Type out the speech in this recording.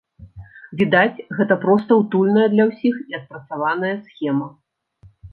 Відаць, гэта проста утульная для ўсіх і адпрацаваная схема.